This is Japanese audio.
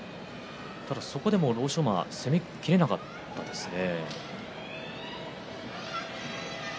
ただそこで欧勝馬は攻めきれなかったですね。